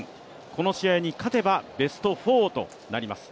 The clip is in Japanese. この試合に勝てばベスト４となります。